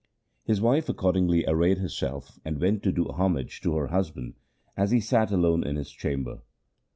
His wife accordingly arrayed herself and went to do homage to her hus band as he sat alone in his chamber.